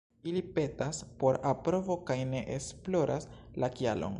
Ili petas por aprobo kaj ne esploras la kialon.